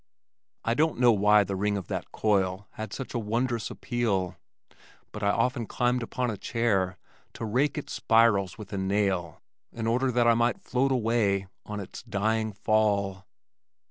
I don't know why the ring of that coil had such a wondrous appeal, but I often climbed upon a chair to rake its spirals with a nail in order that I might float away on its "dying fall."